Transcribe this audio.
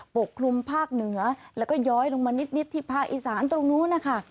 ปกคลุมภาคเหนือแล้วก็ย้อยลงมานิดที่ภาคอีสานตรงนู้นนะคะ